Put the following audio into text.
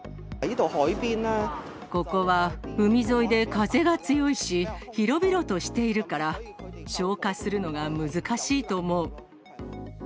ここは海沿いで風が強いし、広々としているから、消火するのが難しいと思う。